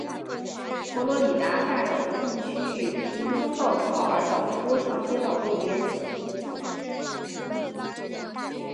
佛罗里达大沼泽地区域因风暴潮而导致多条街道被淹。